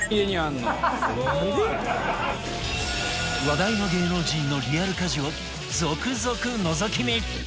話題の芸能人のリアル家事を続々のぞき見